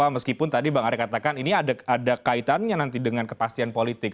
meskipun tadi bang arya katakan ini ada kaitannya nanti dengan kepastian politik